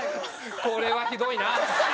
これはひどいな。